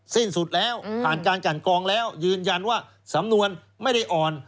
สิ้นสุดแล้วผ่านการกันกรองแล้วยืนยันว่าสำนวนไม่ได้อ่อน